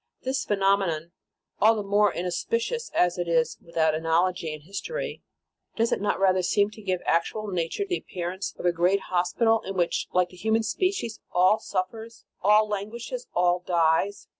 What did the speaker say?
This phenome non, all the more inauspicious, as it is without analogy in history, does it not rather seem to give to actual nature the appearance of a great hospital, in which, like the human spe cies, all suffers, all languishes, all dies.